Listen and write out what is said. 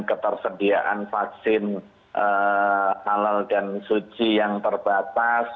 ketersediaan vaksin halal dan suci yang terbatas